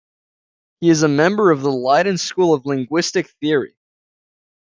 He is a member of the Leiden School of linguistic theory.